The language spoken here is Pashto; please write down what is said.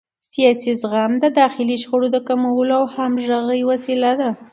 سیاسي زغم د داخلي شخړو د کمولو او همغږۍ وسیله ده